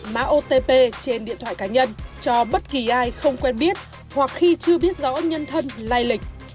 mã otp trên điện thoại cá nhân cho bất kỳ ai không quen biết hoặc khi chưa biết rõ nhân thân lai lịch